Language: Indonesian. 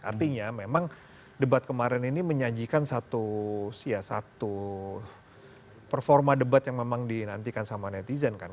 artinya memang debat kemarin ini menyajikan satu performa debat yang memang dinantikan sama netizen kan